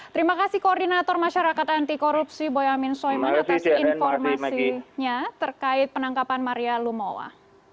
terima kasih koordinator masyarakat anti korupsi boyamin soemon atas informasinya terkait penangkapan maria lumowa